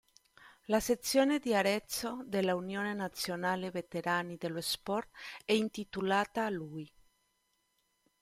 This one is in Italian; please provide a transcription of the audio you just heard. La sezione di Arezzo dell'Unione Nazionale Veterani dello Sport è intitolata a lui.